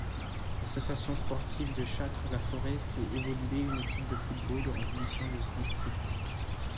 L'Association sportive de Châtres-la-Forêt fait évoluer une équipe de football en division de district.